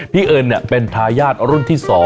เอิญเป็นทายาทรุ่นที่๒